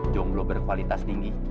jomblo berkualitas tinggi